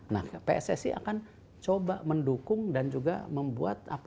nah pssi akan coba mendukung dan juga membuat